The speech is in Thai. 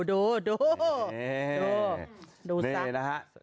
ดูซะัยท์